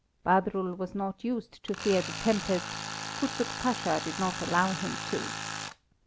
Badrul was not used to fear the tempest Kuczuk Pasha did not allow him to.